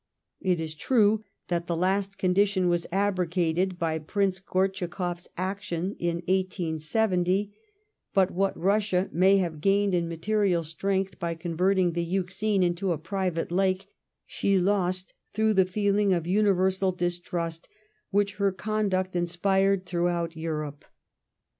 It is true that the last condition was abrogated by Prince Gortschakoff s action in 1870 ; but what Bussia may have gained in material strength by con verting the Euxine into a private lake, she lost through the feeling of universal distrust which her conduct in spired throughout Europe.